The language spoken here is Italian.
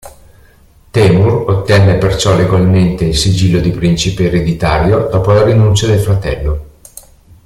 Temur ottenne perciò legalmente il sigillo di principe ereditario dopo la rinuncia del fratello.